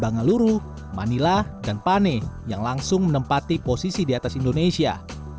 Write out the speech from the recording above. bangaluru manila dan pane yang langsung menempati posisi di atas indonesia